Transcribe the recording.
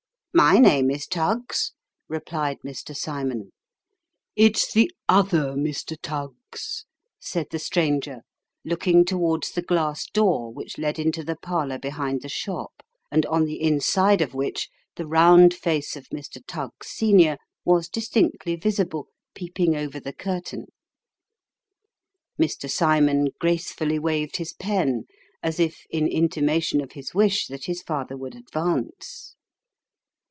" My name is Tuggs," replied Mr. Simon. " It's the other Mr. Tuggs," said the stranger, looking towards the glass door which led into the parlour behind the shop, and on the inside of which, the round face of Mr. Tuggs, senior, was distinctly visible, peeping over the curtain. Mr. Simon gracefully waved his pen, as if in intimation of his wish that his father would advance.